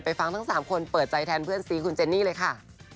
ฟังทั้ง๓คนเปิดใจแทนเพื่อนซีคุณเจนนี่เลยค่ะ